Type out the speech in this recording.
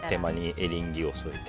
エリンギを添えて。